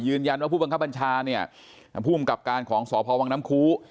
ยืนยันว่าผู้บังคับบัญชาผู้อำกับการของสภวังน้ำคู